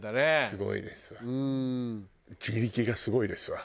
すごいですわ。